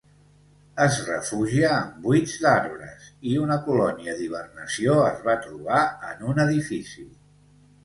Es refugia en buits d'arbres, i una colònia d'hibernació es va trobar en un edifici.